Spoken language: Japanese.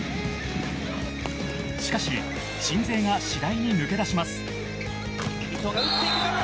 しかし鎮西が、次第に抜け出します。